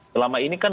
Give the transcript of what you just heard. selama ini kan